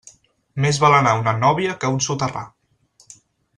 Més val anar a una nóvia que a un soterrar.